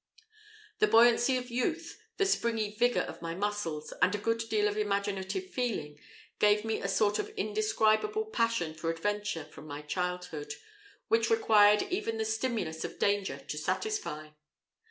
The buoyancy of youth, the springy vigour of my muscles, and a good deal of imaginative feeling, gave me a sort of indescribable passion for adventure from my childhood, which required even the stimulus of danger to satisfy.